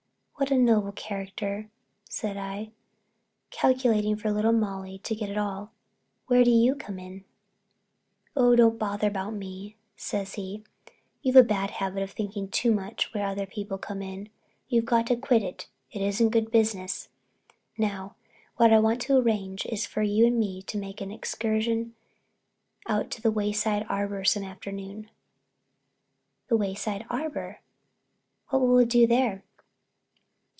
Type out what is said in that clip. "What a noble character," said I, "calculating for little Molly to get it all! Where do you come in?" "Oh, don't bother about me," says he. "You've a bad habit of thinking too much where other people come in. You got to quit it—it isn't good business. Now what I want to arrange is for you and me to make an excursion out to the Wayside Arbor some afternoon." "The Wayside Arbor—what'll we do there?"